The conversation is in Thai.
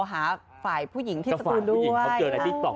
หาฝ่ายผู้หญิงที่สตูนด้วยผู้หญิงเขาเจอในติ๊กต๊อ